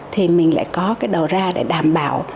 thì mình lại có cái đầu ra để đảm bảo